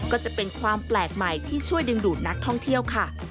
ก็จะเป็นความแปลกใหม่ที่ช่วยดึงดูดนักท่องเที่ยวค่ะ